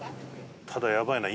ただやばいな。